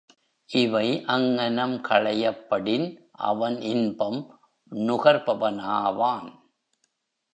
இவை அங்ஙனம் களையப்படின் அவன் இன்பம் நுகர்பவனாவான்.